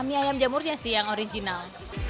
mie ayam jamurnya sih yang original